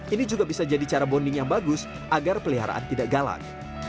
ini juga bisa jadi cara bonding yang bagus agar peliharaan tidak galak